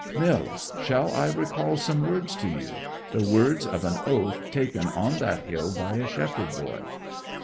'Mills, shall I recall some words to you the words of an oath taken on that hill by a shepherd boy?'